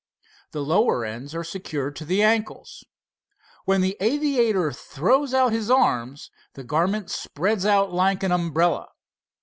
The lower ends are secured to the ankles. When the aviator throws out his arms, the garment spreads out like an umbrella.